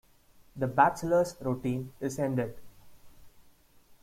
The bachelor's routine is ended.